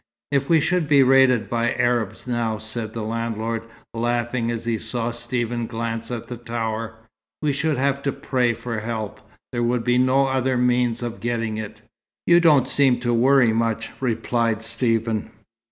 "If we should be raided by Arabs now," said the landlord, laughing, as he saw Stephen glance at the tower, "we should have to pray for help: there would be no other means of getting it." "You don't seem to worry much," replied Stephen.